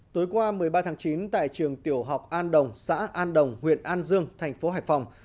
tối qua một mươi ba tháng chín tại trường tiểu học an đồng xã an đồng huyện an dương thành phố hải phòng